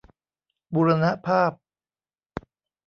บูรณภาพ